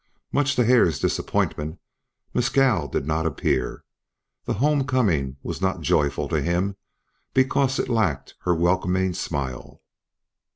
Much to Hare's disappointment Mescal did not appear; the homecoming was not joyful to him because it lacked her welcoming smile.